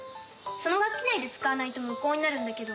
その学期内で使わないと無効になるんだけど。